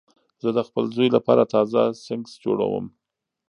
زه د خپل زوی لپاره تازه سنکس جوړوم.